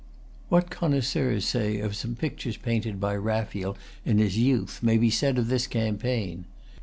What connoisseurs say of some pictures painted by Raphael in his youth may be said of this campaign.